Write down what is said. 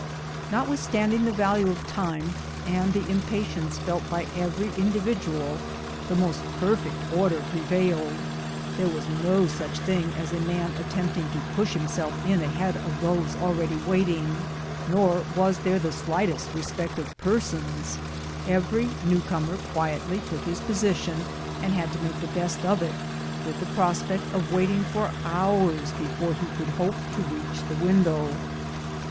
Notwithstanding the value of time, and the impatience felt by every individual, the most perfect order prevailed: there was no such thing as a man attempting to push him self in ahead of those already waiting, nor was there the slightest respect of persons; every new comer quietly took his position, and had to make the best of it, with the prospect of waiting for hours before he could hope to reach the window.